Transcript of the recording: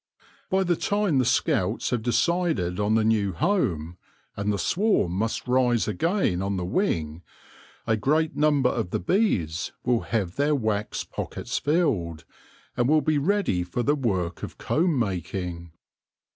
By the time the scouts have decided on the new home, and the swarm must rise again on the wing, a great number of the bees will have their wax pockets filled, and will be ready for the work of comb making.